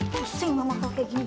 pusing mama pake gini